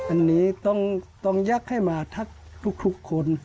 อันนี้ต้องยักษ์ให้มาทักทุกคน